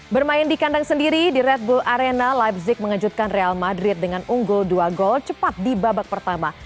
bermain di kandang sendiri di red bull arena livezig mengejutkan real madrid dengan unggul dua gol cepat di babak pertama